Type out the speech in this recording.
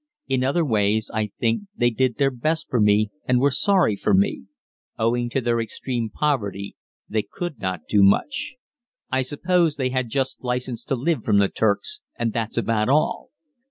In other ways I think they did their best for me, and were sorry for me; owing to their extreme poverty they could not do much. I suppose they just had licence to live from the Turks, and that's about all.